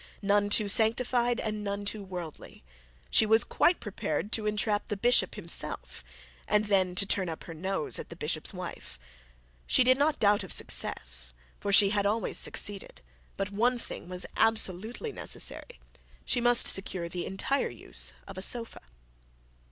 None too sanctified, and none too worldly. She was quite prepared to entrap the bishop himself, and then to turn up her nose at the bishop's wife. She did not doubt of success, for she had always succeeded; but one thing was absolutely necessary, she must secure the entire use of a sofa.